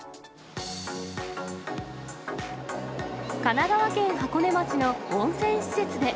神奈川県箱根町の温泉施設で。